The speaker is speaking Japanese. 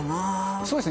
そうですね。